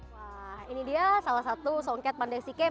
wah ini dia salah satu songket pandai sike